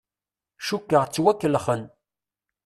Cukkeɣ ttwakellexen.